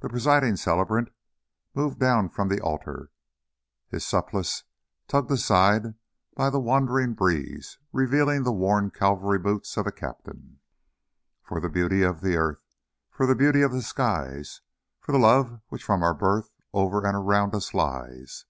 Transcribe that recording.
The presiding celebrate moved down from the altar, his surplice tugged aside by the wandering breeze revealing the worn cavalry boots of a chaplain. "For the beauty of the earth, For the beauty of the skies, For the love which from our birth Over and around us lies."